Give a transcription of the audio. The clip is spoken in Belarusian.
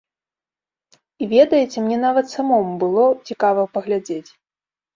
І ведаеце, мне нават самому было цікава паглядзець.